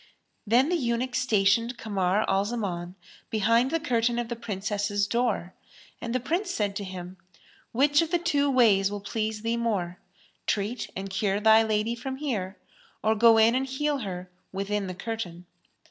Then the eunuch stationed Kamar al Zaman behind the curtain of the Princess's door and the Prince said to him, "Which of the two ways will please thee more, treat and cure thy lady from here or go in and heal her within the curtain?"